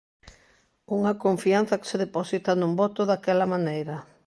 Unha confianza que se deposita nun voto daquela maneira.